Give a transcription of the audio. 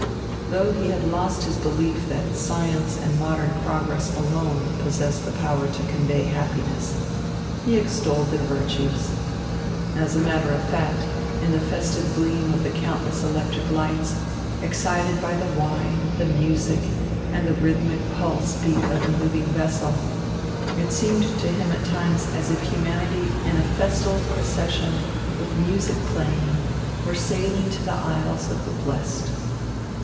Though he had lost his belief that science and modern progress alone possess the power to convey happiness, he extolled their virtues. As a matter of fact, in the festive gleam of the countless electric lights, excited by the wine, the music, and the rhythmic pulse beat of the moving vessel, it seemed to him at times as if humanity in a festal procession with music playing were sailing to the Isles of the Blessed.